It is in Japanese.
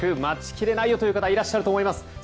待ちきれないという方いらっしゃると思います。